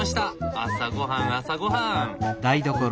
朝ごはん朝ごはん！